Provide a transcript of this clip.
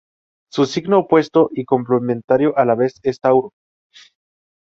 Su signo opuesto y complementario a la vez es Tauro.